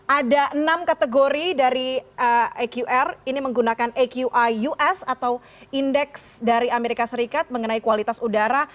ada enam kategori dari aqr ini menggunakan aqi us atau indeks dari amerika serikat mengenai kualitas udara